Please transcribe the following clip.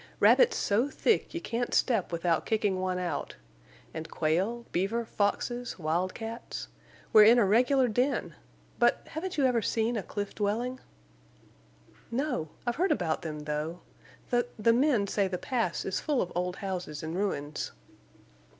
Rabbits so thick you can't step without kicking one out. And quail, beaver, foxes, wildcats. We're in a regular den. But—haven't you ever seen a cliff dwelling?" "No. I've heard about them, though. The—the men say the Pass is full of old houses and ruins."